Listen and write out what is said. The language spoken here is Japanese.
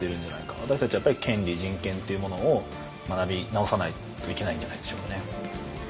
私たちはやっぱり権利人権というものを学び直さないといけないんじゃないでしょうかね。